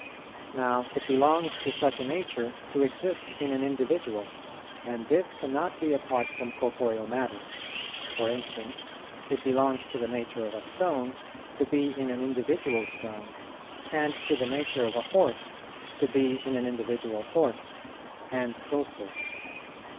Now it belongs to such a nature to exist in an individual, and this cannot be apart from corporeal matter: for instance, it belongs to the nature of a stone to be in an individual stone, and to the nature of a horse to be in an individual horse, and so forth.